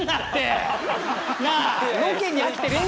なあ！